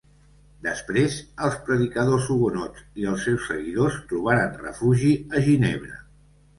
Després els predicadors hugonots i els seus seguidors, trobaren refugi a Ginebra.